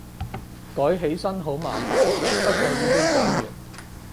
改起身好麻煩，不過已經改完